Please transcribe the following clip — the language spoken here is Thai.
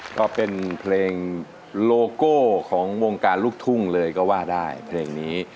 ก็เป็นเพลงโลโก้ของวงการลูกทุ่งเลยก็ว่าได้เพลงนี้